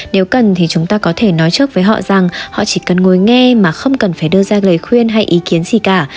nếu cần thì chúng ta có thể nói trước với họ rằng họ chỉ cần ngồi nghe mà không cần phải đưa ra lời khuyên hay ý kiến gì cả